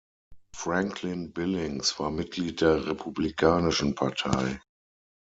Franklin Billings war Mitglied der Republikanischen Partei.